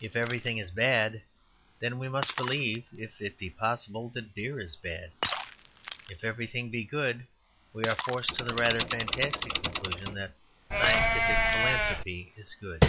If everything is bad, then we must believe (if it be possible) that beer is bad; if everything be good, we are forced to the rather fantastic conclusion that scientific philanthropy is good.